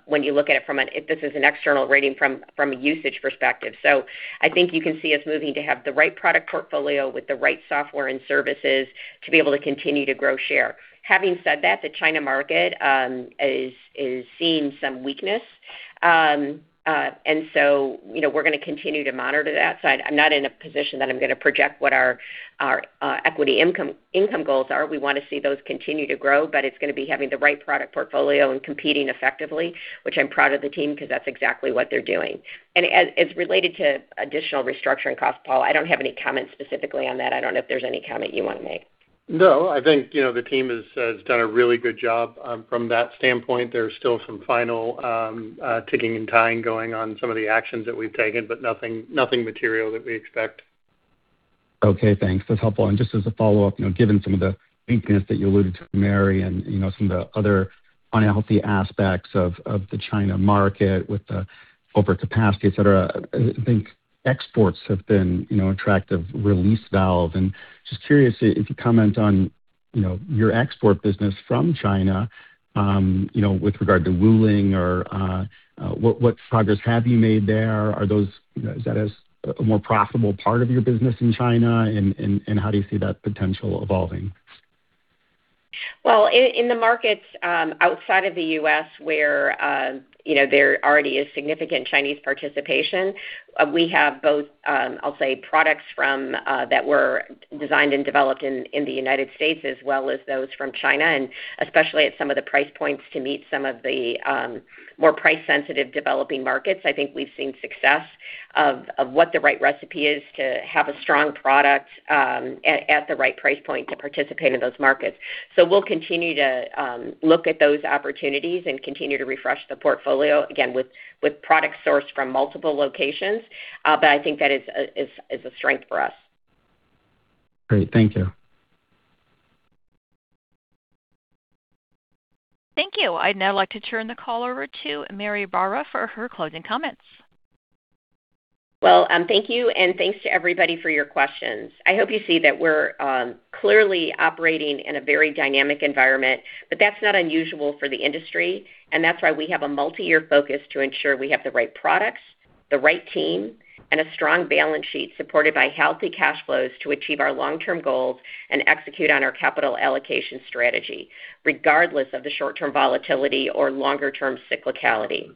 when you look at it. This is an external rating from a usage perspective. I think you can see us moving to have the right product portfolio with the right software and services to be able to continue to grow share. Having said that, the China market is seeing some weakness. You know, we're going to continue to monitor that. I'm not in a position that I'm going to project what our equity income goals are. We want to see those continue to grow, it's going to be having the right product portfolio and competing effectively, which I'm proud of the team because that's exactly what they're doing. As related to additional restructuring costs, Paul, I don't have any comment specifically on that. I don't know if there's any comment you want to make. No. I think, you know, the team has done a really good job from that standpoint. There's still some final ticking and tying going on some of the actions that we've taken, but nothing material that we expect. Okay, thanks. That's helpful. Just as a follow-up, you know, given some of the weakness that you alluded to, Mary, and, you know, some of the other unhealthy aspects of the China market with the overcapacity, et cetera, I think exports have been, you know, attractive release valve. Just curious if you'd comment on, you know, your export business from China, you know, with regard to Wuling or what progress have you made there? Is that a more profitable part of your business in China and how do you see that potential evolving? Well, in the markets, outside of the U.S. where, you know, there already is significant Chinese participation, we have both, I'll say products from that were designed and developed in the United States as well as those from China, and especially at some of the price points to meet some of the more price-sensitive developing markets. I think we've seen success of what the right recipe is to have a strong product at the right price point to participate in those markets. We'll continue to look at those opportunities and continue to refresh the portfolio, again, with product sourced from multiple locations. I think that is a strength for us. Great. Thank you. Thank you. I'd now like to turn the call over to Mary Barra for her closing comments. Well, thank you, and thanks to everybody for your questions. I hope you see that we're clearly operating in a very dynamic environment, but that's not unusual for the industry, and that's why we have a multi-year focus to ensure we have the right products, the right team, and a strong balance sheet supported by healthy cash flows to achieve our long-term goals and execute on our capital allocation strategy, regardless of the short-term volatility or longer-term cyclicality.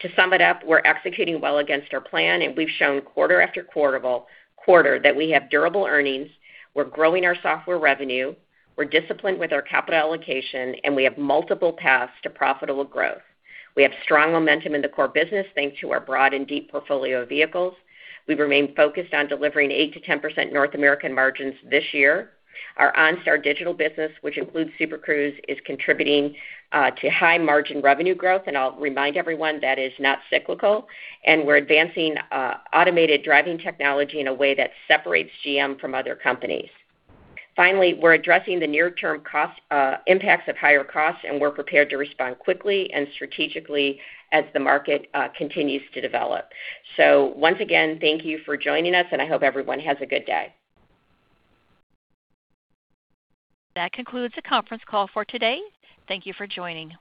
To sum it up, we're executing well against our plan, and we've shown quarter after quarter that we have durable earnings, we're growing our software revenue, we're disciplined with our capital allocation, and we have multiple paths to profitable growth. We have strong momentum in the core business, thanks to our broad and deep portfolio of vehicles. We remain focused on delivering 8%-10% North American margins this year. Our OnStar digital business, which includes Super Cruise, is contributing to high-margin revenue growth, and I'll remind everyone that is not cyclical, and we're advancing automated driving technology in a way that separates GM from other companies. Finally, we're addressing the near-term cost impacts of higher costs, and we're prepared to respond quickly and strategically as the market continues to develop. Once again, thank you for joining us, and I hope everyone has a good day. That concludes the conference call for today. Thank you for joining.